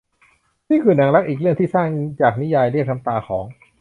นี่คือหนังรักอีกเรื่องที่สร้างจากนิยายเรียกน้ำตาของ